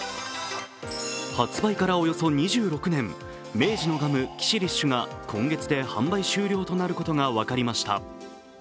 発売からおよそ２６年、明治のガム、キシリッシュが今月で販売終了となることが分かりました。